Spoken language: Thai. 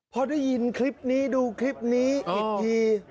พอได้ยินคลิปนี้ดูคลิปนี้อีกที